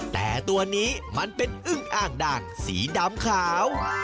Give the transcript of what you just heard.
แต่ตัวนี้มันเป็นอึ้งอ่างด่างสีดำขาว